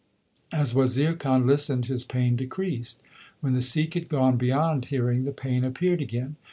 2 As Wazir Khan listened his pain decreased. When the Sikh had gone beyond hearing, the pain appeared again.